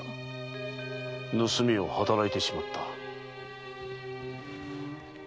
盗みを働いてしまった。